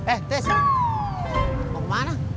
eh tes mau kemana